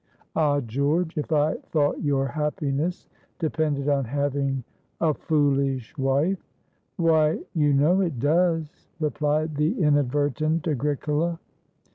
"Ah! George, if I thought your happiness depended on having a foolish wife " "Why, you know it does," replied the inadvertent Agricola.